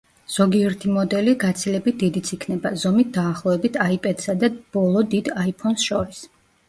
ზოგიერთი მოდელი გაცილებით დიდიც იქნება, ზომით დაახლოებით, „აიპედს“ და ბოლო დიდ „აიფონს“ შორის.